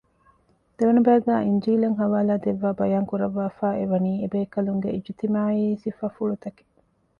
ދެވަނަ ބައިގައި އިންޖީލަށް ޙަވާލާދެއްވައި ބަޔާންކުރައްވައިފައިއެވަނީ އެބޭކަލުންގެ އިޖްތިމާޢީ ސިފަފުޅުތަކެއް